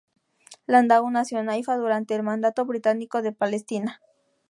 Landau nació en Haifa durante el Mandato británico de Palestina.